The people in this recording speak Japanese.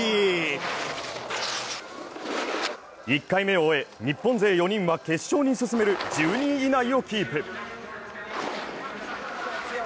１回目を終え、日本勢４人は決勝に進める１２位以内をキープ。